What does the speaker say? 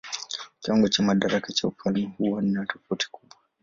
Kiwango cha madaraka cha mfalme huwa na tofauti kubwa.